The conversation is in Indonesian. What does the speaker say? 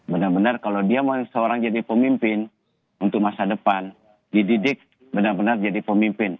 benar benar kalau dia seorang jadi pemimpin untuk masa depan dididik benar benar jadi pemimpin